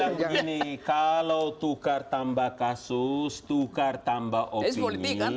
saya mau bilang gini kalau tukar tambah kasus tukar tambah opini